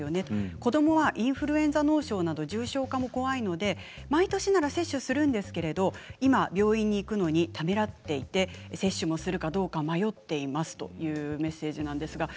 子どもはインフルエンザ脳症など重症化も怖いので、毎年なら接種するんですけれども今病院に行くのをためらっていて接種をするかどうか迷っていますというメッセージです。